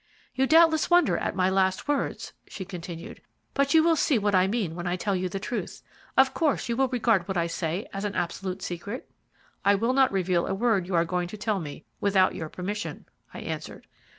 "You doubtless wonder at my last words," she continued, "but you will see what I mean when I tell you the truth. Of course, you will regard what I say as an absolute secret?" "I will not reveal a word you are going to tell me without your permission," I answered.